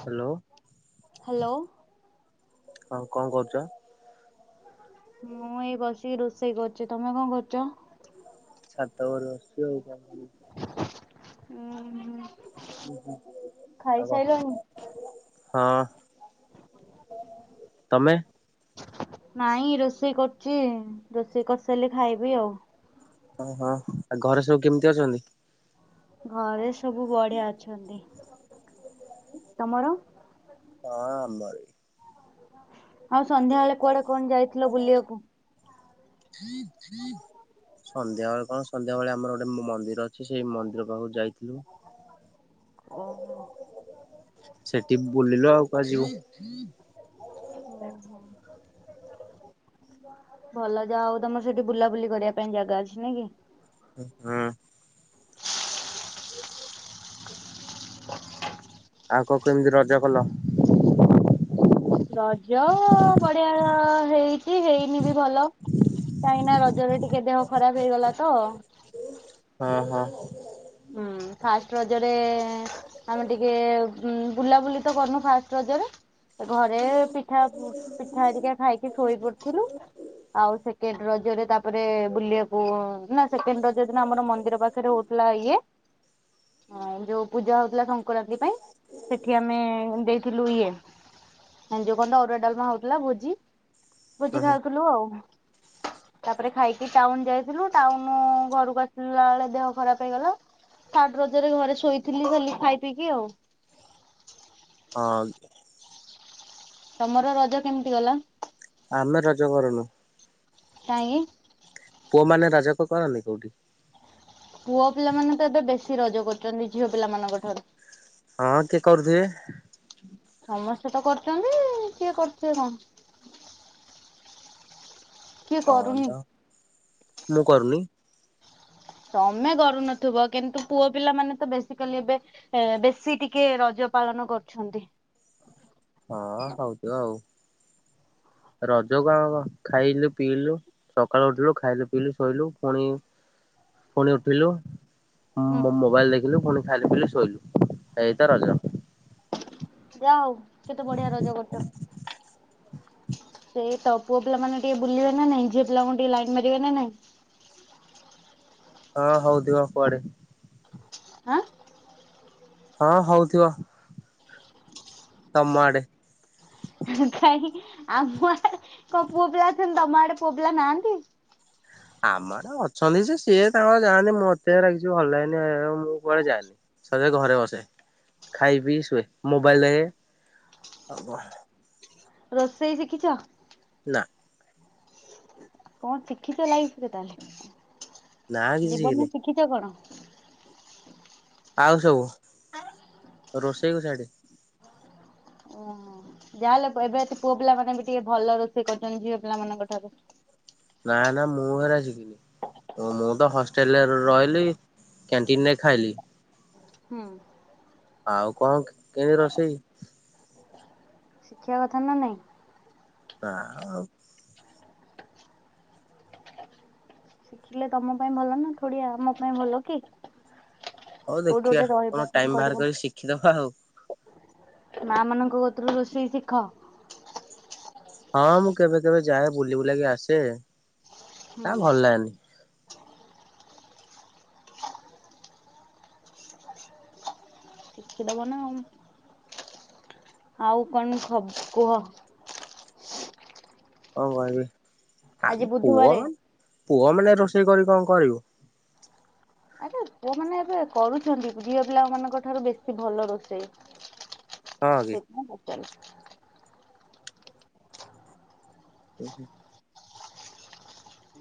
Hello, hello ହଁ କଣ କରୁଚ? ମୁଁ ଏଇ ବସିକି ରୋଷେଇ କରୁଛି ତମେ କଣ କରୁଛ? ଛାତ ଉପରେ ବସିଚି ଆଉ କଣ। ହୁଁ ହୁଁ, ଆ କ ଖାଇସାଇଲଣି? ହଁ ତମେ? ନାଇଁ ରୋଷେଇ କରୁଛି ରୋଷେଇ କରିସାରିଲେ ଖାଇବି ଆଉ। ହଁ ହଁ ଆଉ ଘରେ ସବୁ କେମିତି ଅଛନ୍ତି? ଘରେ ସବୁ ବଢିଆ ଅଛନ୍ତି ତମର? ହଁ ଆମରବି। ଆଉ ସନ୍ଧ୍ୟା ବେଳେ କୁଆଡେ କଣ ଯାଇଥିଲ ବୁଲିବାକୁ। ଥଇ ଥାଇଇ [inaudible] ସନ୍ଧ୍ୟାବେେଳେ କଣ ସନ୍ଧ୍ୟାବେେଳେ ଆମର ଗୋଟେ ମନ୍ଦିର ଅଛି ସେଇ ମନ୍ଦିର ପାଖକୁ ଯାଇ ଓ ହୋ ହୁଁ [inaudible] ହୁଁ ହୋ [inaudible] ଭଲ ଯାହା ହଉ ତମର ସେଠି ବୁଲାବୁଲି କରିବା ପାଇଁ ଜାଗା ଅଛି ନାଇ କି ହଁ, ଆଉ କଣ କେମିତି ରଜ କଲ? ରଜ ବଢିଆ ହେଇଛି ହେଇନି ବି ଭଲ କାହିଁକି ନା ରଜ ଜରେ ଟିକେ ଦେହ ଖରାପ ହେଇଗଲା ତ ହଁ ହଁ, ହୁଁ ଫାଷ୍ଟ ରଜରେ ଆମେ ଟିକେ ବୁଲାବୁଲି ତ କରନୁ ଫାଷ୍ଟ ରଜ ଜରେ ଘରେ ପିଠା ପିଠା ହେରିକା ଖାଇକି ଶୋଇ ପଡିଥିଲୁ। ଆଉ ସେକେଣ୍ଡ ରଜରେ ତାପରେ ବୁଲିବାକୁ ନା ସେକେଣ୍ଡ ରଜ ଦିନ ଆମର ମନ୍ଦିର ପାଖରେ ହଉଥିଲା ଇଏ ଯୋଉ ପୂଜା ହଉଥିଲା ସଂକ୍ରାନ୍ତି ପାଇଁ ସେଠି ଆମେ ଦେଇଥିଲୁ ଇଏ ଯୋଉ ଖଣ୍ଡ ଅରୁଆ ଡାଲମା ହଉଥିଲା ଭୋଜି ହଁ ଭୋଜି ହଁ ଖାଉଥିଲୁ ଆଉ ତାପରେ ଖାଇକି ଟାଉନ ଯାଇଥିଲୁ ଟାଉନ ଘରକୁ ଆସିଲା ବେଳେ ଦେହ ଖରାପ ହେଇଗଲା ଥାର୍ଡ ରଜରେ ଘରେ ଶୋଇଥିଲି ଖାଲି ଖାଇ ପିଇକି ଆଉ। ହଁ, ତମର ରଜ କେମିତି ଗଲା। ଆମେ ରଜ କରୁନୁ। କାଇଁକି? ପୁଅ ମାନେ ରାଜାକ କରନ୍ତି କୋଉଠି ପୁଅ ପିଲାମାନେ ତ ଏବେ ବେଶି ରଜ କରୁଛନ୍ତି ଝିଅ ପିଲାମାନାନଙ୍କ ଠାରୁ। ହଁ କିଏ କରୁଥିବେ। ସମସ୍ତେ ତ କରୁଛନ୍ତି କିଏ କରୁଥିବେ କଣ। କିଏ କରୁନି। ହଁ ମୁଁ କରୁନି। ତମେ କରୁନଥିବ କିନ୍ତୁ ପୁଅ ପିଲା ମାନେ ତ ବେସିକାଲି ଏବେ ବେଶୀ ଟିକେ ରଜ ପାଳନ କରୁଛନ୍ତି। ହଁ ହଉଥିବ ଆଉ। ରଜ କଣ ଖାଇଲୁ ପିଇଲୁ ସକାଳୁ ଉଠିଲୁ ଖାଇଲୁ ପିଇଲୁ ଶୋଇଲୁ ପୁଣି ପୁଣି ଉଠିଲୁ ହୁଁ ମୋବାଇଲ ଦେଖିଲୁ ପୁଣି ଖାଇଲି ପିଲି ଶୋଇଲୁ ଏଇତ ରଜ। ଯା ହଉ କେତେ ବଢିଆ ରଜ କରୁଛ। ସେଇ ତ ପୁଅ ପିଲା ମାନେ ଟିକେ ବୁଲିବେ ନା ନାଇଁ ଝିଅ ପିଲାଙ୍କୁ ଟିକେ ଲାଇନ ମାରିବେ ନା ନାଇଁ। ହଁ ହଉ ଦିବା କୁଆଡେ ଆଁ? ହଁ ହଉଥିବ। ତମ ଆଡ଼େ। କାଇଁ ଆମ ଆଡେ କଣ ପୁଅ ପିଲା ଅଛନ୍ତି ତମ ଆଡେ ପୁଅ ପିଲା ନାହାଁନ୍ତି। ହ ଆମର ଅଛନ୍ତି ଯେ ସିଏ ତାଙ୍କର ଯାଆନ୍ତିି ମୋତେ କିଛି ଭଲ ହେଇନି ମୁଁ କୁଆଡେ ଯାଏନି। ସଜ ଘରେ ବସେ ଖାଇ ପିଇ ଶୁଏ ମୋବାଇଲ ଦଖେ। ହବହ ରୋଷେଇ ଶିଖିଛ? ନା। କଣ ଶିଖିଛ ଲାଇଫ ନା ତାହେଲେ କିଛି ଶିଖିନି। ଜୀବନରେ ଶିଖିଛ କଣ? ଆଉ ସବୁ ରୋଷେଇ କୁ ଚଡ଼ି। ଓହୋ ଯାହାହେଲେ ଏବେ ପୁଅ ପିଲା ମାନେ ବି ଟିକେ ଭଲ ରୋଷେଇ କରୁଛନ୍ତି ଝିଅ ପିଲାମାନାନଙ୍କ ଠାରୁ। ନା ନା ମୁଁ ହେରା ଶିଖିନି। ଓ ମୁଁ ତ ହଷ୍ଟେଲରେ ରହିଲି କ୍ୟାଣ୍ଟିନରେ ଖାଇଲି। ହୁଁ। ଆଉ କଣ କେଣିତି ରୋଷେଇ ଶିଖିବା କଥା ନା ନାଇଁ। ହ ହଉ ଶିଖିଲେ ତମ ପାଇଁ ଭଲ ନା ଥଡିଆ ଆମ ପାଇଁ ଭଲ କି। ହଉ କୋଉଠି ଦେଖିବା ଗୋଟେ ରହିବ କଣ ଟାଇମ କରିବ ବାହାର କରି ଶିଖିଦବା ଆଉ। ମା ମାନଙ୍କ କତରୁ ରୋଷେଇ ଶିଖ। ହଁ ମୁଁ କେବେ କେବେ ଯାଏ ବୁଲି ବୁଲାକି ଆସେ ତା ହୁଁ। ଭଲ ଲାଗେନି। ଶିଖି ଦବାନା। ଆଉ କଣ ଖ କୁହ? ହଁ ଭାଇ ଆ ଆଜି ବୁଧବାରେ ପୁହଲ ପହ ମାନେ ରୋଷେଇ କରି କଣ କରିବୁ। ଆଚ୍ଛା ପୁଅମାନଳନେ ଏବେ କରୁଛନ୍ତି ଝିଅ ପିଲା ମାନଙ୍କ ଠାରୁ ବେଶୀ ଭଲ ରୋଷେଇ। ହଁ କି। ଚଲ ହୁ ହୁ।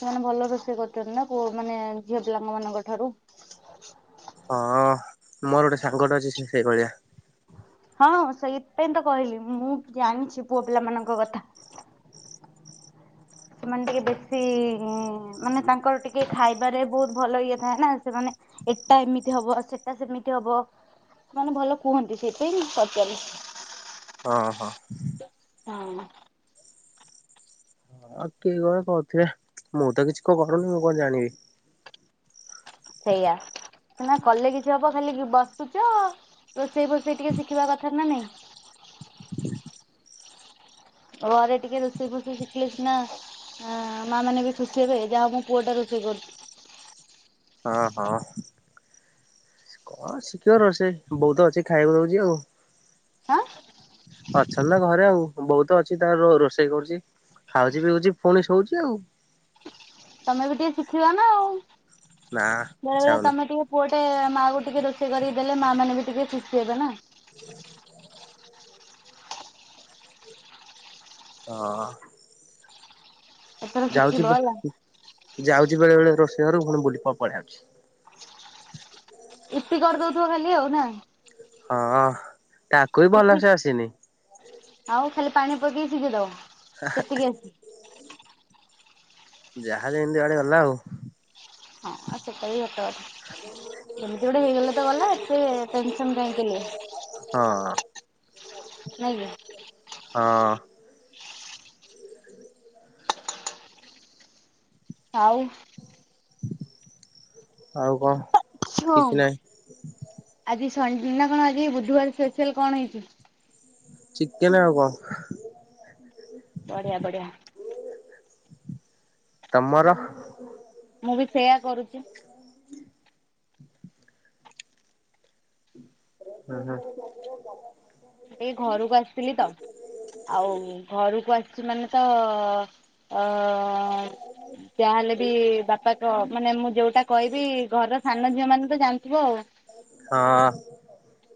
ସେମାନେ ଭଲ ରୋଷେଇ କରୁଛନ୍ତି ନା ପୁଅ ମାନେ ଝିଅ ପିଲାମାନଙ୍କ ଠାରୁ। ହଁ ମୋର ଗୋଟେ ସାଙ୍ଗଟେ ଅଛି ସେ ସେଇ ଭଳିଆ। ହଁ ସେଇଥିପାଇଁ ତ କହିଲି ମୁଁ ଜାଣିଛି ପୁଅ ପିଲା ମାନଙ୍କ କଥା। ସେମାନେ ଟିକେ ବେଶୀ ମାନେ ତାଙ୍କର ଟିକେ ଖାଇବାରେ ବହୁତ ଭଲ ଇଏ ଥାଏ ନା ସେମାନେ ଏଟା ଏମିତି ହବ ସେଟା ସେମିତି ହବ। ମାନେ ଭଲ କୁହନ୍ତି ସେଇପାଇଁ ପଚାରିଲି। ହଁ ହଁ। ହଁ। ହଁ କିିଏ କଣ କହୁଥିବେ ମୁଁ ତ କିଛି କରୁନି ମୁଁ କଣ ଜାଣିବି। ସେଇଆ ନା କଲେ କିଛି ହବ ଖାଲି ବସୁଚ। ରୋଷେଇ ପୋଷେଇ ଟିକେ ଶିଖିବା କଥା ନା ନାଇଁ। [inaudible] ଘରେ ଟିକେ ରୋଷେଇ ଫୋଷେଇ ଶିଖିଲେ ସିନା ଆ ମା ମାନେ ବି ଖୁସି ହେବେ ଯାହା ମୁଁ ପୁଅ ଟା ରୋଷେଇ କରୁଛି। ହଁ ହଁ। କଣ ଶିଖିବାର ଅଛି ବୋଉ ତ ଅଛି ଖାଇବାକୁ ଦଉଛି ଆଉ। ହାଁ ଅଛନ୍ତି ତ ଘରେ ଆଉ ବୋଉ ତ ଅଛି ତାର ରୋଷେଇ କରୁଛି। ଖାଉଛି ପିଉଛି ପୁଣି ଶୋଉଚି ଆଉ। ତମେ ବି ଟିକେ ଶିଖିବା ନା ଆଉ ନା ବେଳେ ଇଚ୍ଛା ବେଳେ ହଉନି ତମେ ଟିକେ ପୁ ମାନେମାଆ କୁ ଟିକେ ରୋଷେଇ କରିକି ଦେଲେ ମା ମାନେ ବି ଟିକେ ଖୁସି ହେବେ ନା ହଁ। ଏଥର ଯାଉଛି ଶିଖିବ ହେଲା ଯାଉଛି। ଆଜି ବେଳେ ବେଳେ ରୋଷେଇ ଘରୁ ମୋର ବୁଲିିକି ପଳେଇ ଆଉଛି। ଇପି କରିଦଉଥିବ ଖାଲି ଆଉ ନା? ହଁ ତାକୁ ବି ଇପି ଭଲସେ ଆସିନି। ଆଉ ଖାଲି ପାଣି ପକେଇ ଶିଝେଇ ଦବ ସେତିକି ଆସେ ଯାହା ଯେମିତି ଆଇଲେ ଗଲା ଆଉ ଆ ସେଟା ବି ସତ କଥା। ଯେମିତି ଗୋଟେ ହେଇଗଲେ ତ ଗଲା ଏତେ ଟେନସନ କାହିଁକି। ହଁ। ନାଇଁ କି? ହଁ। ଆଉ ଆଉ କଣ ହଁ କିଛି ନାହିଁ। ଆଜି ନା କଣ ଆଜି ବୁଧବାର ସ୍ପେଶାଲ କଣ ହେଇଛି? ଚିକେନ ଆଉ କଣ? ବଢ଼ିଆ ବଢ଼ିଆ। ତମର? ମୁଁ ବି ସେୟା କରିଚି। ହୁଁ ହୁଁ। ଏ ଘରକୁ ଆସିଥିଲି ତ ଆଉ ଘରକୁ ଆସିଛି ମାନେ ତ ଅ ଯାହାହେଲେ ବି ବାପା କ ମାନେ ମୁଁ ଯୋଉଁଟା କହିବି ଘର ସାନ ଝିଅ ମାନେ ତ ଜାଣିଥିବ ଆଉ ହଁ।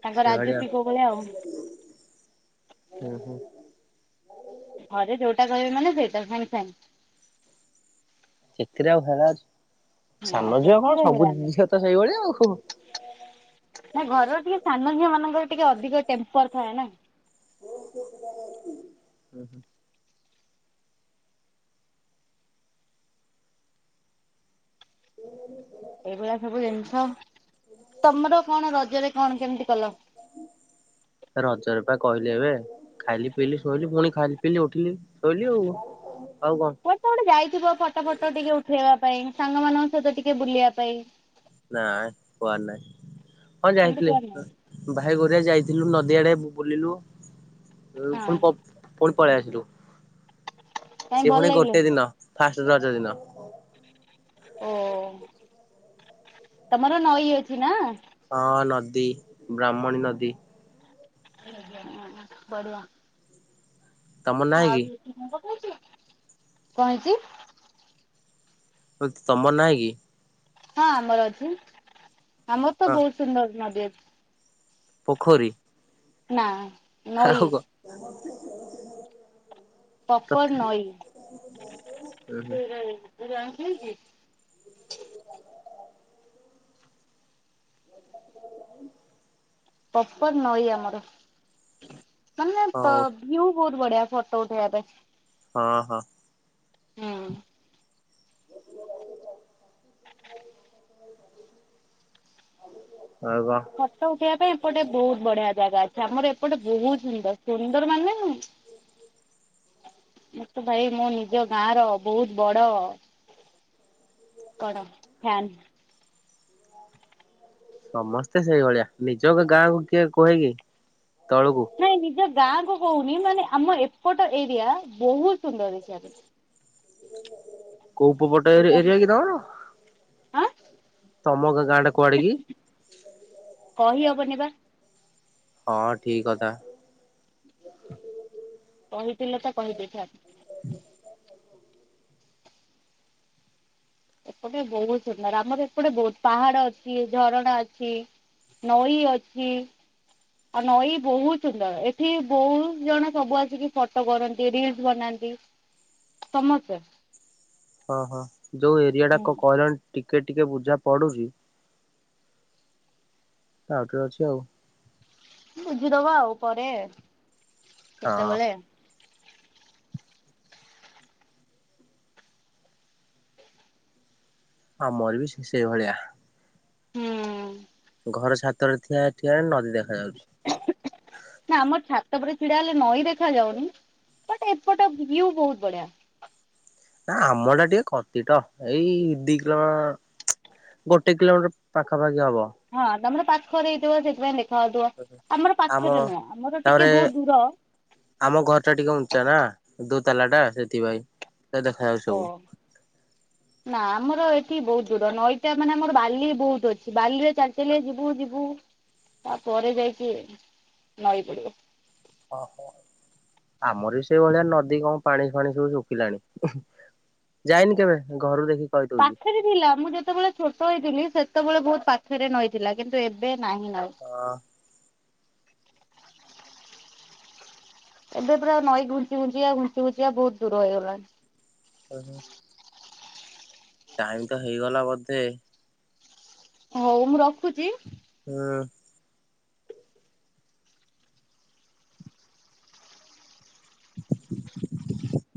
ତାଙ୍କ ସେଇଭଳିଆ ରାଜୁତି କେବଳ ଆଉ। ହୁଁ ହୁଁ ଘରେ ଯୋଉଟା କହିବେ ମାନେ ସେଇଟା ସାଙ୍ଗେ ସାଙ୍ଗେ ସେଥିରେ ଆଉ ହେଳା ଅଛି ନା ସାନ ଝିଅ କଣ ସେଥିରେ ସବୁ ହେଲାନି ଝିଅ ତ ସେଇଭଳିଆ ଆଉ। ନା ଘରର ଟିକେ ସାନଝଅ ମାନଙ୍କର ଟିକେ ଅଧିକ ଟେମ୍ପର ଥାଏ ନା ହଁ ହଁ। ଏଇଭଳିଆ ସବୁ ଜିନିଷ ତମର କଣ ରଜରେ କଣ କେମିତି କଲ? ରଜରେ ପା କହିଲି ଏବେ। ଖାଇଲି ପିଇଲି ଶୋଇଲିି ପୁଣି ଖାଇଲି ପିଇଲି ଉଠିଲି ଶୋଇଲି ଆଉ ଆଉ କଣ କୋଟେ ଗୋଟେ ଯାଇଥିବ ଫଟୋ ଫଟ ଟିକେ ଉଠେଇବା ପାଇଁ ସାଙ୍ଗ ମାନଙ୍କ ସହିତ ଟିକେ ବୁଲିବା ପାଇଁ । ନା କୁଆଡେ ନାାଇଁ ହ ଏମିତି ଯାଇଥିଲି କୁଆଡ଼େ ନାହିଁ ଭାଇ ଗୋରିଆ ଯାଇଥିଲି । ୁ ନଦୀଆଡେ ବୁଲିଲୁ ହଁ ପୁଣି ପୁଣି ପଳେଇ ଆସିଲୁ । କାଇଁ ସେ ଭଲ ପୁଣି ଗୋଟେ ଲାଗିଲାନି ଦିନ ଫାଷ୍ଟ ରଜ ଦିନ । ଓ ତମର ନଈ ଅଛି ନା ହଁ ନଦୀ ବ୍ରାହ୍ମଣୀ ନଦୀ ଆ ବଢିଆ ତମର ନାହିଁ କି? ଆଉ କ ହେଇଚି ତମର ନାହିଁ କି? ହଁ ଆମର ଅଛି ଆମର ତ ହଁ ବହୁତ ସୁନ୍ଦର ନଦୀ ଅଛି । ପୋଖରୀ ନା ନଈ ଆଉ କ ପପର ତତେ ନଈ ଉଁ ହୁଁ [unintelligible] ପପର ନଈ ଆମର ମାନେ ତ ହଉ କ୍ଵ ବହୁତ ବଢିଆ ଫୋଟୋ ଉଠେଇବା ପାଇଁ ହଁ ହଁ ହଁ [unintelligible] ଫଟ ଉଠେଇବା ପାଇଁ ଏପଟେ ବହୁତ ବଢିଆ ଜାଗା ଆମର ଏପଟେ ବହୁତ ସୁନ୍ଦର ସୁନ୍ଦର ମାନେ ନା ମୁ ତ ଭାଇ ମୋ ନିଜ ଗାଁ ର ବହୁତ ବଡ କଣ ଫ୍ୟାନ ସମସ୍ତେ ସେଇଭଳିଆ ନିଜ ଗାଁକୁ କିଏ କୁହେକି ନାଇଁ ନିଜ ଗାଁ କୁ ମୁଁ ହଉନି ମାନେ ଆମ ଏପଟ ଏରିଆ ବହୁତ ସୁନ୍ଦର ହେଇଛି। କୋଉ ଉପପଟ ମୁଁ ଏରିଆ କି କହୁଛି ତମର? ଆଁ ତମକ ଗାଁ ଟା କୁଆଡ଼ିକି? ବନିବା ହଁ ଠିକ କଥା କହିଥିଲ ତ କହିଦେଇଥା । ଏପଟେ ବହୁତ ସୁନ୍ଦର ଆମର ଏପଟେ ବହୁତ ପାହାଡ ଅଛି ଝରଣା ଅଛି । ନଈ ଅଛି । ଆଉ ନଈ ବହୁତ ସୁନ୍ଦର ଏଠି ବହୁତ ଜଣ ସବୁ ଆସିକି ଫଟୋ କରନ୍ତି ରିଲସ ବନାନ୍ତି । ସମସ୍ତ ହଁ ହଁ ଯୋଉ ଏରିଆ ଟା କ କହିଲଣି ଟିକେ ଟିକେ ବୁଝା ପଡୁଛି । ଆଉଟିରେ ଅଛି ଆଉ ବୁଝିଦବା ଆଉ ପରେ ହଁ କେତେବେଳେ ଆଉ ମୋର ବି ଶଷେଇ ଭଳିଆ ହୁଁ ଘର ଛାତରେ ଥିବାଠିଆ ନ ନିଅ ନା ଆମର ଛାତ ତାପରେ ଛିଡା ହେଲେ ନଈ ଦେଖା ଯାଉନି ବଟ ଏପଟ ବୁଲିଆକୁ ବହୁତ ବଢିଆ । ନା ଆମ ଟା ଟିକେ କତିଟ ଏଇ ଦି କିଲୋମିଟର ଗୋଟେ କିଲୋମିଟର ପାଖାପାଖି ହବ। ହଁ ତମର ପାଖରେ ହେଇଥିବ ସେଥିପାଇଁ ଥା ଦୁ ଆମର ଆମ ପାଖରେ ନୁହଁ ଆମର ଟିକେ ତାପରେ ବହୁତ ଦୂର ଆମ ଘର ଟା ଟିକେ ଉଞ୍ଚା ନା ଦୋ ତାଲା ଟା ସେଥିପାଇଁ ଦେଖାଯାଉଛି ଓ ସବୁ ନା ଆମର ଏଠି ବହୁତ ଦୂର। ନଈଟା ମାନେ ଆମର ବାଲି ବହୁତ ଅଛି। ବାଲିରେ ଚାଲି ଚାଲିଆ ଯିବୁ ଯିବୁ ତା ପରେ ଯାଇକି ନଈ ପଡିବ। ଓହୋ! ଆମର ବି ସେଇ ଭଳିଆ ନଦୀ କଣ, ପାଣି ଫାଣି ସବୁ ଶୁଖିଲାଣି। ଯାଇନି କେବେ ଘରୁ ଦେଖି। ପାଖରେ ଥିଲା। ମୁଁ ଯେତେବେଳେ ଛୋଟ ହେଇଥିଲି, ସେତେବେଳେ ବହୁତ ପାଖରେ ନଈଥିଲା। କିନ୍ତୁ ଏବେ ନାହିଁ ନଈ। ଅ ଏବେ ପୁରା ନଈ ଘୁଞ୍ଚି ଘୁଞ୍ଚିକା ଘୁଞ୍ଚି ଘୁଞ୍ଚିକା ବହୁତ ଦୂର ହେଇଗଲାଣି। ଓହୋ! ଟାଇମ୍ ତ ହେଇଗଲା ବୋଧେ! ହଉ ମୁଁ ରଖୁଛି। ହଁ।